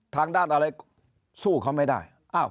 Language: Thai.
ทางด้านอะไรสู้เขาไม่ได้